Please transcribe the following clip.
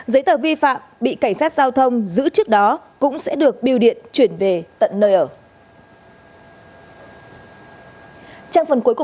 giấy tờ vi phạm bị cảnh sát giao thông giữ trước đó cũng sẽ được biêu điện chuyển về tận nơi ở